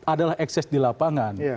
adalah ekses di lapangan